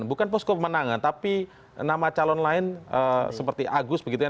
bukan posko pemenangan tapi nama calon lain seperti agus begitu ya